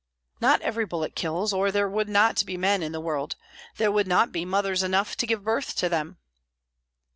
"Not every bullet kills, or there would not be men in the world, there would not be mothers enough to give birth to them."